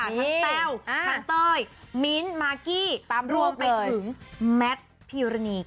ทั้งแต้วทั้งเตยมิ้นมากกี้รวมไปถึงแมทพิโรนีก